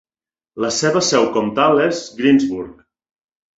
La seva seu comtal és Greensburg.